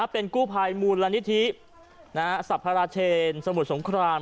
เป็นกู้ภายมูลรณิธิสัพพระเชนสมุดสงคราม